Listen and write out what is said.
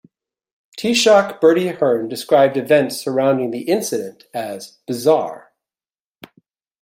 Taoiseach Bertie Ahern described events surrounding the incident as "bizarre".